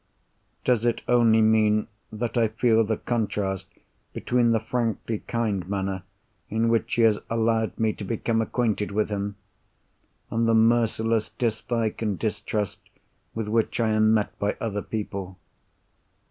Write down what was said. Does it only mean that I feel the contrast between the frankly kind manner in which he has allowed me to become acquainted with him, and the merciless dislike and distrust with which I am met by other people?